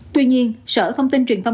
tuy nhiên sở thông tin truyền thông